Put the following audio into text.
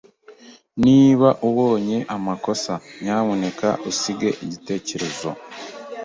Niba ubonye amakosa, nyamuneka usige igitekerezo.